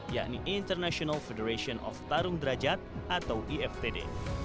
yakni international federation of tarung derajat atau iftd